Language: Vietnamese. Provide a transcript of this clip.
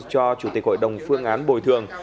cho chủ tịch hội đồng phương án bồi thường